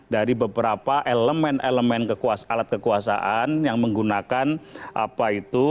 dari beberapa elemen elemen alat kekuasaan yang menggunakan apa itu